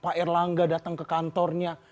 pak erlangga datang ke kantornya